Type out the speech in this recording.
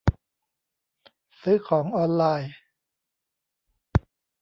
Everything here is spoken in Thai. ซื้อของออนไลน์